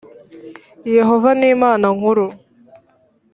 yehova ni imana nkuru